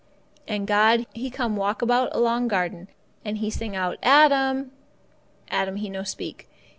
"And God He come walk about along garden, and He sing out, 'Adam!' Adam he no speak.